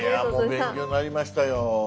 いやもう勉強になりましたよ。